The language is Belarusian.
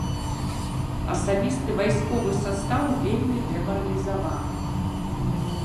Асабісты вайсковы састаў вельмі дэмаралізаваны.